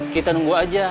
kita nunggu aja